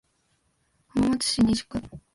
浜松市西区